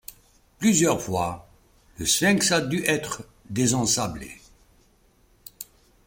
Plusieurs fois, le Sphinx a dû être désensablé.